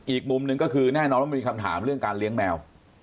อีกมุมหนึ่งก็คือแน่นอนว่ามันมีคำถามเรื่องการเลี้ยงแมว